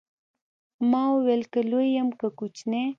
ما وويل که لوى يم که کوچنى.